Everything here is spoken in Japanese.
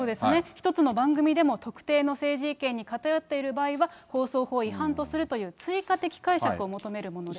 一つの番組でも、特定の政治意見に偏っている場合は、放送法違反とするという追加的解釈を求めるものです。